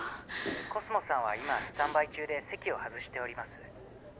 コスモさんは今スタンバイ中で席を外しております